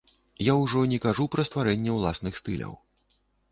Я ўжо не кажу пра стварэнне ўласных стыляў.